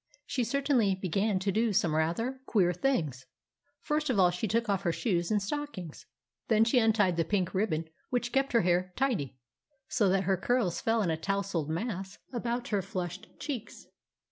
She certainly began to do some rather queer things. First of all she took off her shoes and stockings. Then she untied the pink ribbon which kept her hair tidy, so that her curls fell in a towsled mass about her flushed cheeks.